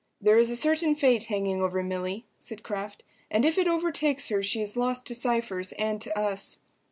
"There is a certain fate hanging over Milly," said Kraft, "and if it overtakes her she is lost to Cypher's and to us."